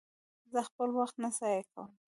زه خپل وخت نه ضایع کوم.